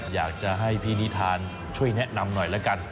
อยากจะให้พี่นิทานช่วยแนะนำหน่อยแล้วกัน